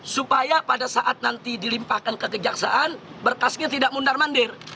supaya pada saat nanti dilimpahkan ke kejaksaan berkasnya tidak mundar mandir